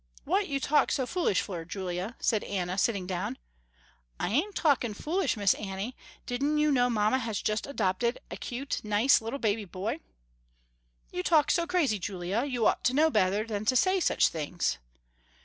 "What you talk so foolish for Julia," said Anna sitting down. "I ain't talkin' foolish, Miss Annie. Didn't you know mamma has just adopted a cute, nice little baby boy?" "You talk so crazy, Julia, you ought to know better than to say such things."